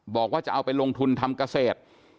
บอกว่าจะเอาไปลงทุนทำเกษตร